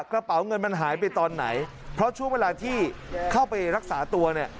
กระเป๋าเงินมันหายไปตอนไหนเพราะช่วงเวลาที่เข้าไปรักษาตัวเนี่ย